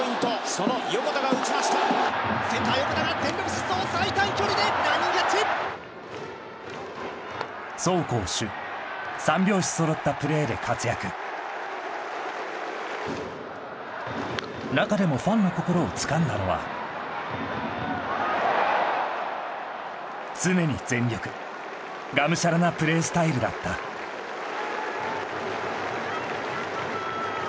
その横田が打ちましたセンター横田が全力疾走最短距離でランニングキャッチ走・攻・守三拍子揃ったプレーで活躍中でもファンの心をつかんだのは常に全力がむしゃらなプレースタイルだった大好き横田！